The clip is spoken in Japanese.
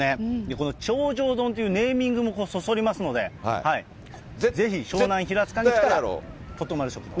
この頂上丼というネーミングもそそりますので、ぜひ湘南平塚に来たら、ととまるしょくどう。